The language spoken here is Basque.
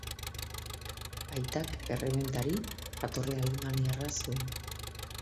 Aitak, errementari, jatorri alemaniarra zuen.